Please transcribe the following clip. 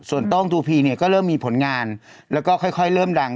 ส่วนโต้งทูพีเนี่ยก็เริ่มมีผลงานแล้วก็ค่อยเริ่มดัง